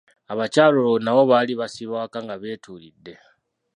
Abakyala olwo nabo baali basiiba waka nga beetuulidde.